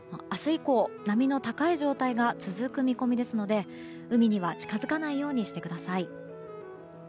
明日以降、波の高い状態が続く見込みですので海には近づかないようにしてください。